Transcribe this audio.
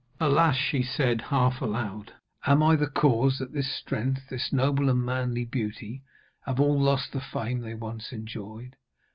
'Alas,' she said half aloud, 'am I the cause that this strength, this noble and manly beauty have all lost the fame they once enjoyed?